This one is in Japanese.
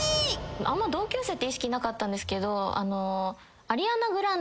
あんま同級生って意識なかったんですけど。